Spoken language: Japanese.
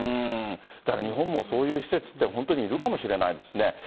だから日本もそういう施設って、本当にいるかもしれないですね。